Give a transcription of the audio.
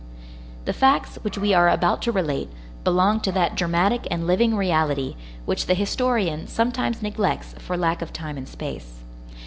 The facts which we are about to relate belong to that dramatic and living reality, which the historian sometimes neglects for lack of time and space.